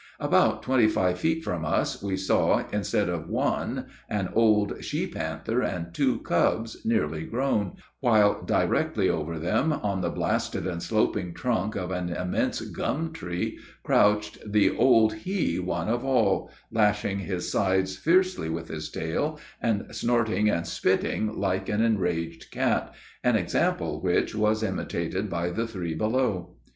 About twenty five feet from us we saw, instead of one, an old she panther and two cubs nearly grown, while directly over them, on the blasted and sloping trunk of an immense gum tree, crouched the "old he one of all," lashing his sides fiercely with his tail, and snorting and spitting like an enraged cat, an example which was imitated by the three below.